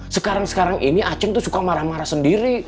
sekarang sekarang ini aceh tuh suka marah marah sendiri